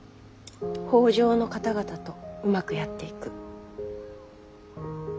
北条の方々とうまくやっていく。